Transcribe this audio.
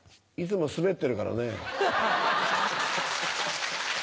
いつもスベってるからね。